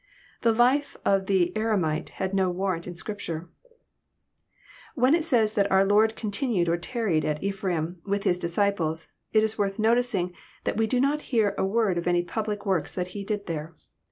The life of the Eremite has no warrant in Scripture. When it says that our Lord continued or tarried at Ephraim with His disciples," it is worth noticing that we do not hear a word of any public works that he did there.